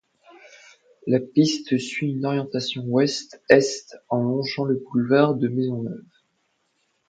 La piste suit une orientation ouest-est en longeant le boulevard De Maisonneuve.